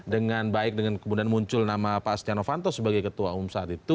dengan baik kemudian muncul nama pak astiano vanto sebagai ketua umum saat itu